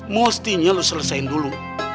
mestinya lu selesain dulu